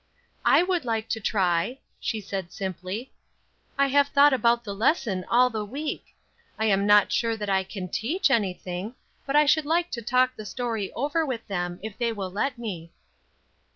"I would like to try," she said, simply; "I have thought about the lesson all the week; I am not sure that I can teach anything, but I should like to talk the story over with them if they will let me."